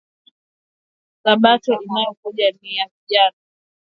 Sabato inayo kuja niya vijana